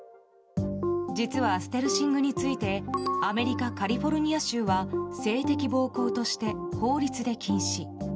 実はステルシングについてアメリカ・カリフォルニア州は性的暴行として法律で禁止。